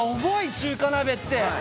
中華鍋って。